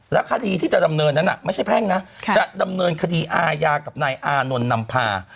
คดีที่จะดำเนินนั้นไม่ใช่แพ่งนะจะดำเนินคดีอาญากับนายอานนท์นำพา